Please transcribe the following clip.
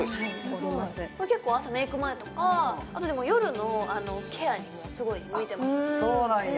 結構朝メイク前とか夜のケアにもすごい向いてますそうなんや！